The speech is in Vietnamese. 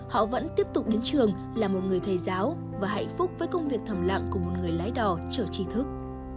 họ vẫn tiếp tục đến trường là một người thầy giáo và hạnh phúc với công việc thầm lặng của một người lái đò chở trí thức